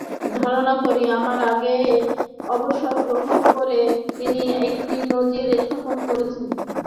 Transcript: ধারণা করি, আমার আগেই অবসর গ্রহণ করে তিনি একটি নজির স্থাপন করছেন।